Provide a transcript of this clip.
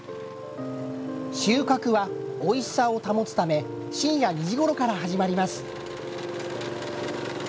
収穫は、おいしさを保つため深夜２時ごろから始まります。